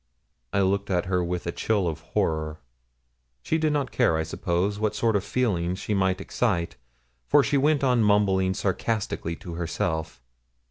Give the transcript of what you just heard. I looked at her with a chill of horror. She did not care, I suppose, what sort of feelings she might excite, for she went on mumbling sarcastically to herself.